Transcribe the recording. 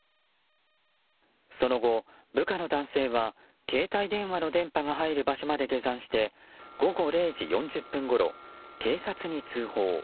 その後、部下の男性は携帯電話の電波が入る場所まで下山して午後０時４０分ごろ警察に通報。